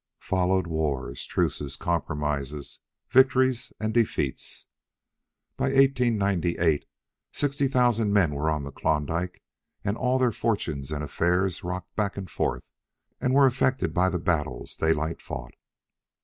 Followed wars, truces, compromises, victories, and defeats. By 1898, sixty thousand men were on the Klondike and all their fortunes and affairs rocked back and forth and were affected by the battles Daylight fought.